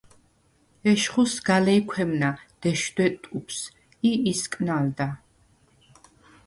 ეშხუ სგა ლეჲქვემნა დეშდვე ტუფს ი ისკნა̄ლდა.